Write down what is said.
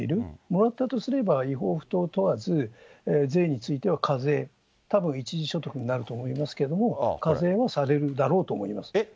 もらったとすれば違法、合法問わず、税については課税、たぶん、一時所得になると思いますけれども、課税はされるだろうと思います。